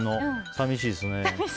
寂しいですね。